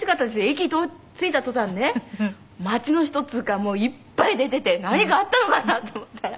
駅着いた途端ね町の人っていうかもういっぱい出ていて何かあったのかなと思ったら。